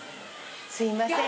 すいません。